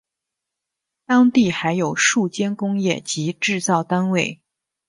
当地还有数间工业及制造单位。